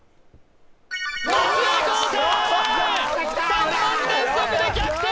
３問連続で逆転！